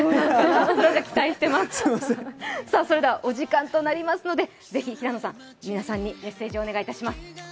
期待してます、それではお時間となりますのでぜひ平野さん、皆さんにメッセージをお願いします。